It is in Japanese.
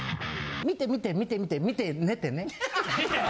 見て見て見て見て見て寝てね！